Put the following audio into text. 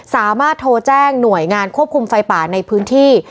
สามารถโทรแจ้งหน่วยงานควบคุมไฟป่าในพื้นที่